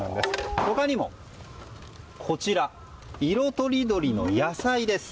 他にも、色とりどりの野菜です。